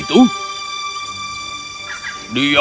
itu bukanlah inap